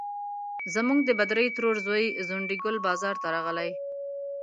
زموږ د بدرۍ ترور زوی ځونډي ګل بازار ته راغلی.